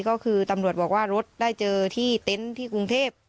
ก็คือตำรวจบอกว่ารถได้เจอที่เต็นต์ที่กรุงเทพ